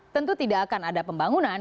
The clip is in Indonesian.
tentu tidak akan ada pembangunan